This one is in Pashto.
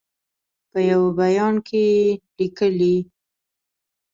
په یوه بیان کې لیکلي